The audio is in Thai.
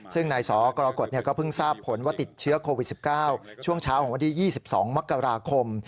ซึ่งนายสกรกฎก็เพิ่งทราบผลว่าติดเชื้อโควิด๑๙ช่วงเช้าของวันที่๒๒มกราคม